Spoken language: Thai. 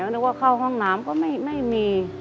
นึกว่าเข้าห้องน้ำก็ไม่มี